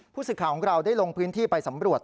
ผู้สื่อข่าวของเราได้ลงพื้นที่ไปสำรวจ